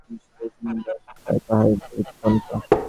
উপনিষদে যে পথের নির্দেশ আছে, তাহাই পবিত্র পন্থা।